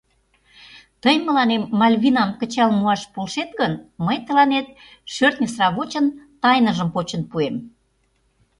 Тый мыланем Мальвинам кычал муаш полшет гын, мый тыланет шӧртньӧ сравочын тайныжым почын пуэм...